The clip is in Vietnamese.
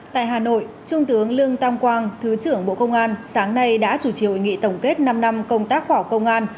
tại hà nội trung tướng lương tam quang thứ trưởng bộ công an sáng nay đã chủ trì hội nghị tổng kết năm năm công tác khoa học công an